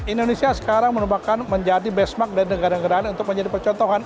indonesia sekarang merupakan menjadi benchmark dari negara negara untuk menjadi percontohan